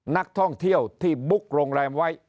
นักท่องเที่ยวที่บุ๊กโรงแรมไว้